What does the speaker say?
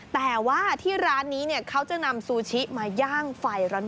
แต่ว่าที่ร้านนี้เขาจะนำซูชิมาย่างไฟร้อน